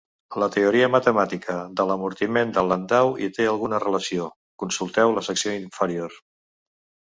La teoria matemàtica de l'amortiment de Landau hi té alguna relació; consulteu la secció inferior.